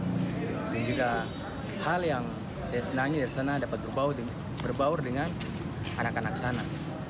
dan juga hal yang saya senangi dari sana dapat berbaur dengan anak anak sana